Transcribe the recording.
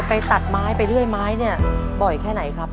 ตัดไม้ไปเรื่อยไม้เนี่ยบ่อยแค่ไหนครับ